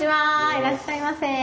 いらっしゃいませ。